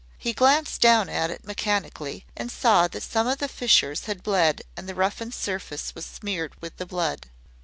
He glanced down at it mechanically, and saw that some of the fissures had bled and the roughened surface was smeared with the blood.